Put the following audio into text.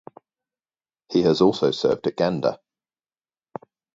He has also served at Gander.